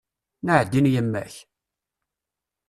Naɛdin yemma-k!